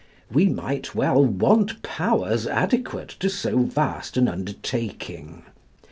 We might well want powers adequate to so vast an undertaking.